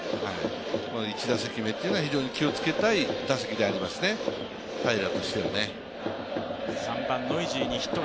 １打席目は非常に気をつけたい打席ではありますね、平良としては。